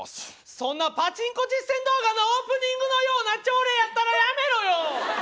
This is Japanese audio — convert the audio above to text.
そんなパチンコ実践動画のオープニングのような朝礼やったらやめろよ！